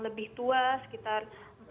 lebih tua sekitar